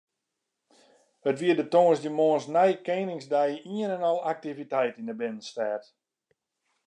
It wie de tongersdeitemoarns nei Keningsdei ien en al aktiviteit yn de binnenstêd.